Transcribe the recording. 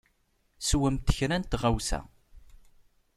Swemt kra n tɣawsa.